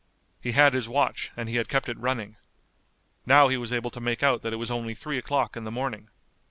He had his watch and he had kept it running. Now he was able to make out that it was only three o'clock in the morning.